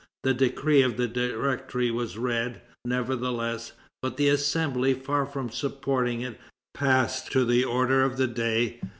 The decree of the Directory was read, nevertheless. But the Assembly, far from supporting it, passed to the order of the day.